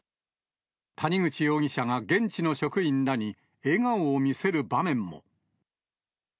谷口容疑者が現地の職員らに、笑顔を見せる場面も。